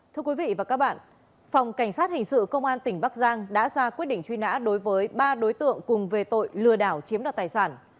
thưa quý vị và các bạn phòng cảnh sát hình sự công an tỉnh bắc giang đã ra quyết định truy nã đối với ba đối tượng cùng về tội lừa đảo chiếm đoạt tài sản